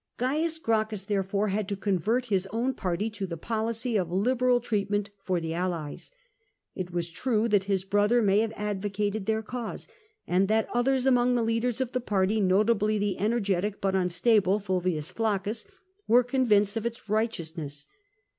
Caius Gracchus, therefore, had to convert his own party to the policy of liberal treatment for the allies. It was true that his brother may have advocated their cause, and that others among the leaders of the party, notably the energetic but unstable Eulvius Flaccus, were convinced of its righteousness.